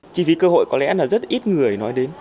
chi phí cơ hội có lẽ là rất ít người nói đến